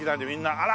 あら！